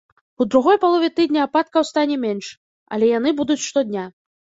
У другой палове тыдня ападкаў стане менш, але яны будуць штодня.